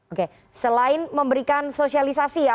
oke selain memberikan sosialisasi